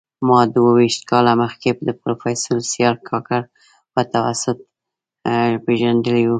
ما دوه ویشت کاله مخکي د پروفیسر سیال کاکړ په توسط پېژندلی و